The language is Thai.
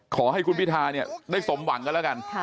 ขอให้คุณพิธาเนี่ยได้สมหวังกันแล้วกัน